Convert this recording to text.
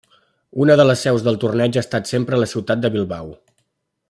Una de les seus del torneig ha estat sempre la ciutat de Bilbao.